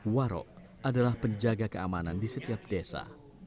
waro adalah penjaga keamanan di setiap desa